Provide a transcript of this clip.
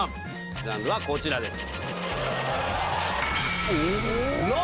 ジャンルはこちらです。